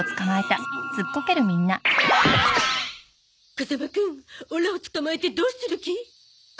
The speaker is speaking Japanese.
風間くんオラを捕まえてどうする気？